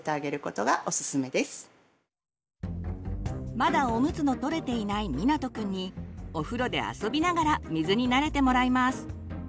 まだおむつのとれていないみなとくんにお風呂で遊びながら水に慣れてもらいます。